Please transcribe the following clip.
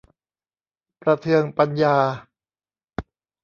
ประเทืองปัญญา